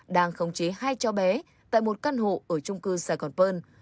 đang khống chế hai cháu bé tại một căn hộ ở trung cư sài gòn pơn